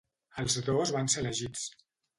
Els dos van ser elegits.